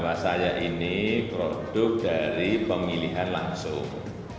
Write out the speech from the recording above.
bahwa saya ini produk dari pemilihan langsung